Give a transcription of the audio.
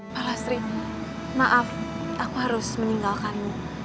palastri maaf aku harus meninggalkanmu